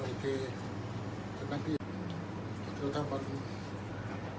อันไหนที่มันไม่จริงแล้วอาจารย์อยากพูด